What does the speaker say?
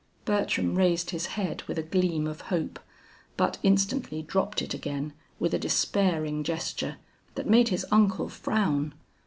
Bertram raised his head with a gleam of hope, but instantly dropped it again with a despairing gesture that made his uncle frown.